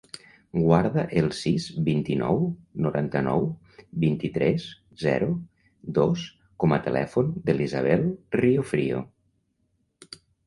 Guarda el sis, vint-i-nou, noranta-nou, vint-i-tres, zero, dos com a telèfon de l'Isabel Riofrio.